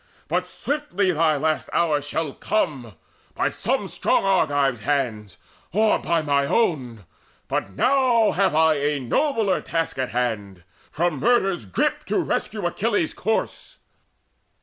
But swiftly thy last hour shall come By some strong Argive's hands, or by mine own, But now have I a nobler task in hand, From murder's grip to rescue Achilles' corse."